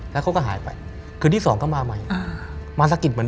แล้วเขาก็หายไปคือที่๒ก็มาใหม่